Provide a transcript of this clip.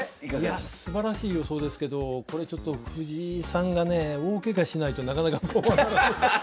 いやすばらしい予想ですけどこれちょっと藤井さんがね大ケガしないとなかなかこうはならない。